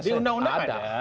di undang undang ada